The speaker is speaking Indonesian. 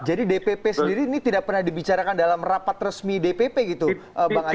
jadi dpp sendiri ini tidak pernah dibicarakan dalam rapat resmi dpp gitu bang aceh